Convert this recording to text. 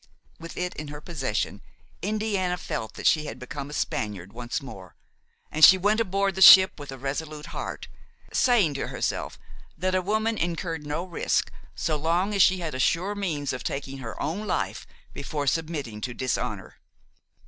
With it in her possession, Indiana felt that she became a Spaniard once more, and she went aboard the ship with a resolute heart, saying to herself that a woman incurred no risk so long as she had a sure means of taking her own life before submitting to dishonor.